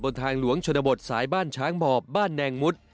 ทางหลวงชนบทสายบ้านช้างบอบบ้านแนงมุด